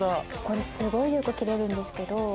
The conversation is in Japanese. これすごいよく切れるんですけど。